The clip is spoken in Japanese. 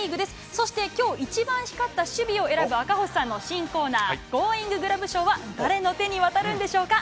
そして、きょう一番光った守備を選ぶ赤星さんの新コーナー、ゴーインググラブ賞は、誰の手に渡るんでしょうか？